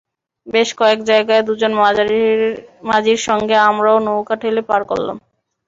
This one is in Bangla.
বেশ কয়েক জায়গায় দুজন মাঝির সঙ্গে আমরাও নৌকা ঠেলে পার করলাম।